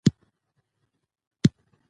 وخت د انسان تر ټولو قيمتي شتمني ده.